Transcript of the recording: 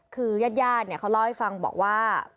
คือญาติเขาเล่าให้ฟังบอกว่า